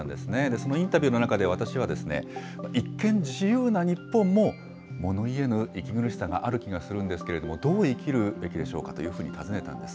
そのインタビューの中で私は、一見、自由な日本も物言えぬ息苦しさがある気がするんですけれども、どう生きるべきでしょうかというふうに尋ねたんです。